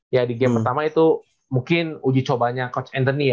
ya di game pertama itu mungkin uji cobanya coach andy ya